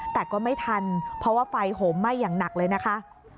แต่ก็ไม่ทันเพราะว่าไฟโหมไหม้อย่างหนักเลยนะคะ